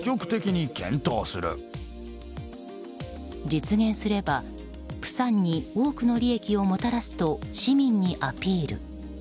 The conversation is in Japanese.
実現すればプサンに多くの利益をもたらすと市民にアピール。